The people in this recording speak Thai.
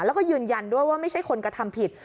แล้วก็ยืนยันด้วยว่าไม่ใช่คนกระทำผิด